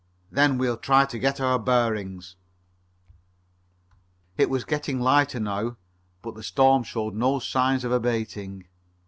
Then we'll try to get our bearings." It was getting lighter now, but the storm showed no signs of abating.